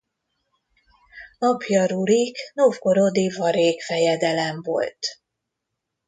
Apja Rurik novgorodi varég fejedelem volt.